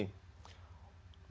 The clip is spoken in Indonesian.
dan sudah saya tulis juga